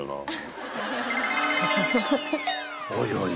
［おいおい